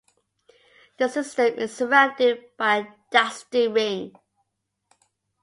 The system is surrounded by a dusty ring.